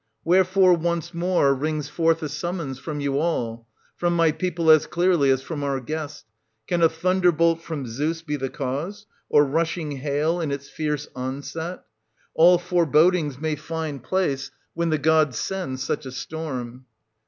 Wherefore once more rings forth a summons from you all, — from my people as clearly as from our guest ? Can a thunderbolt from Zeus be the cause, or rushing hail in its fierce onset ? All forebodings may find place, when the god sends such a storm.